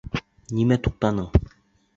Нимә туҡтаның?